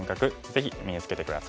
ぜひ身につけて下さい。